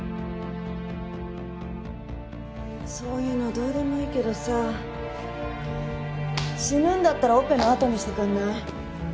そういうのどうでもいいけどさ死ぬんだったらオペのあとにしてくんない？